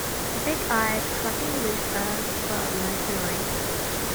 The big-eyed, clucking moose-birds were most annoying.